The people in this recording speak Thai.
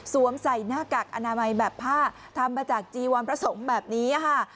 ใส่หน้ากากอนามัยแบบผ้าทำมาจากจีวรพระสงฆ์แบบนี้ค่ะ